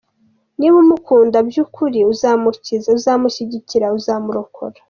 Niba umukunda byukuri uzamukiza, uzamushyigikira, uzamurokora.